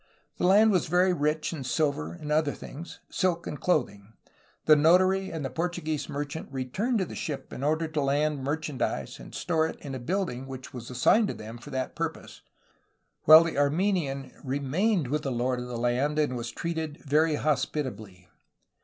The land was very rich in silver and other things, silk and clothing. The notary and the Portuguese merchant returned to the ship in order to land mer chandise and store it in a building which was assigned to them for that purpose, while the Armenian remained with the lord of the land and was treated very hospitably.